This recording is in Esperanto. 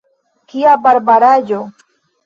Kia barbaraĵo!